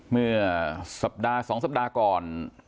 เมื่อสัปดาห์๒สัปดาห์ก่อน